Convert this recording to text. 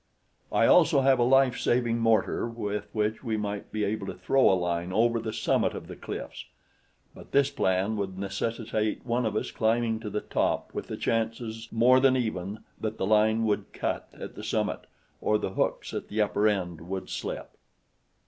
"I also have a life saving mortar with which we might be able to throw a line over the summit of the cliffs; but this plan would necessitate one of us climbing to the top with the chances more than even that the line would cut at the summit, or the hooks at the upper end would slip.